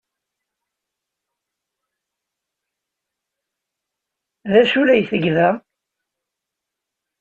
D acu ay la yetteg da?